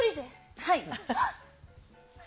はい。